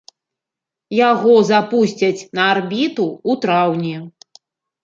Яго запусцяць на арбіту ў траўні.